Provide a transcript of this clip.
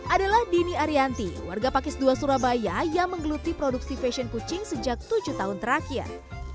adalah dini arianti warga pakis dua surabaya yang menggeluti produksi fashion kucing sejak tujuh tahun terakhir